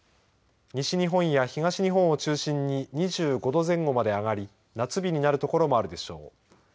西日本や東日本を中心に２５度前後まで上がり夏日になるところもあるでしょう。